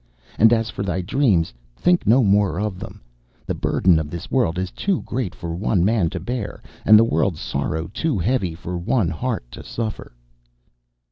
And as for thy dreams, think no more of them. The burden of this world is too great for one man to bear, and the world's sorrow too heavy for one heart to suffer.